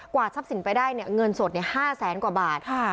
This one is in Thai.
กว่าทรัพย์สินไปได้เนี่ยเงินสดเนี่ยห้าแสนกว่าบาทค่ะ